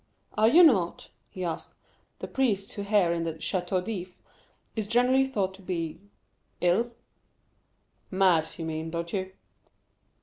"Are you not," he asked, "the priest who here in the Château d'If is generally thought to be—ill?" "Mad, you mean, don't you?"